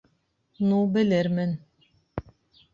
Ну, белермен...